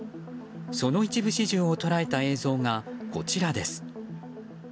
その一部始終を捉えた映像がこちらです。